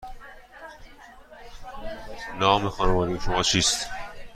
نام خانوادگی شما چیست؟